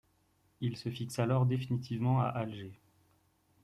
Il se fixe alors définitivement à Alger.